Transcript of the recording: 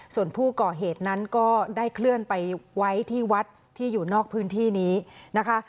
ส่วนผู้ก่อเหตุนั้นก็ได้เคลื่อนไปไว้ที่วัดที่อยู่นอกพื้นที่นี้นะคะ